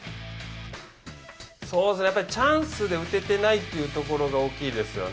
やっぱりチャンスで打ててないというところが大きいですよね。